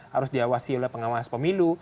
harus diawasi oleh pengawas pemilu